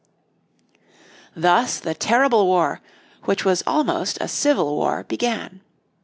Thus the terrible war, which was almost a civil war, began.